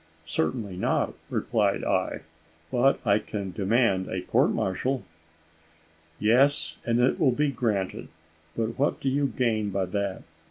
"Certainly not," replied I; "but I can demand a court martial." "Yes; and it will be granted; but what do you gain by that?